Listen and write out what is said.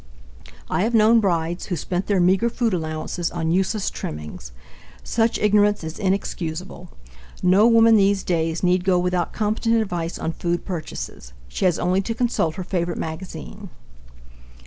I have known brides who spent their meager food allowances on useless trimmings. Such ignorance is inexcusable; no woman these days need go without competent advice on food purchases. She has only to consult her favorite magazine.